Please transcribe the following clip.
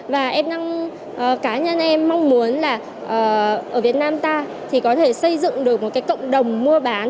và cá nhân em mong muốn là ở việt nam ta có thể xây dựng được một cộng đồng mua bán